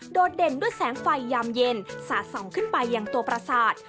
ดเด่นด้วยแสงไฟยามเย็นสะส่องขึ้นไปยังตัวประสาท